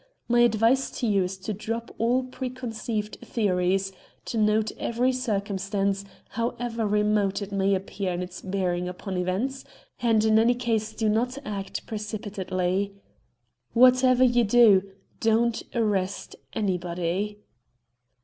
My advice to you is to drop all preconceived theories, to note every circumstance, however remote it may appear in its bearing upon events, and in any case not to act precipitately. Whatever you do, don't arrest anybody."